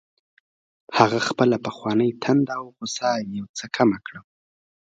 هغه خپله پخوانۍ تنده او غوسه یو څه کمه کړه